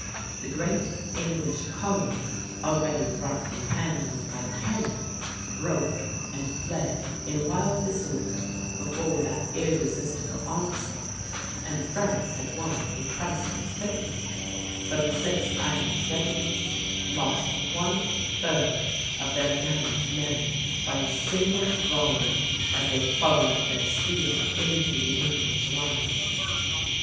The great English column, already roughly handled by the cannon, broke and fled in wild disorder before that irresistible onslaught, and France had won a priceless victory, but the six Irish regiments lost one third of their gallant men by a single volley as they followed their steel into the English lines.